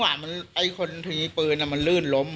มันล้มเวลาไอ้คนที่มีปืนมันลื่นล้ม